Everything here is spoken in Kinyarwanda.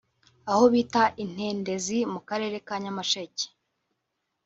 aho bita i Ntendezi mu Karere ka Nyamasheke